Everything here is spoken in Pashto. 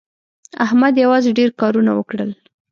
احمد یوازې ډېر کارونه وکړل.